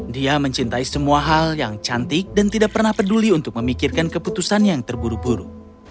dia mencintai semua hal yang cantik dan tidak pernah peduli untuk memikirkan keputusan yang terburu buru